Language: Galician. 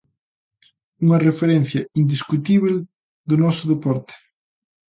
"Unha referencia indiscutible do noso deporte".